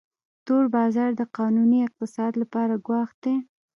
تور بازار د قانوني اقتصاد لپاره ګواښ دی